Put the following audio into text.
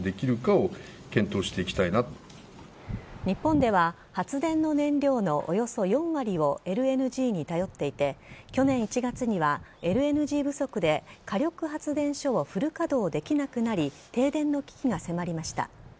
日本では発電の燃料のおよそ４割をＬＮＧに頼っていて去年１月にはＬＮＧ不足で火力発電所をフル稼働できなくなり停電の危機が迫りました。